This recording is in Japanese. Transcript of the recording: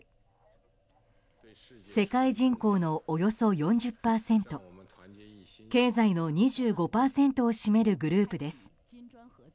世界人口のおよそ４０％経済の２５％を占めるグループです。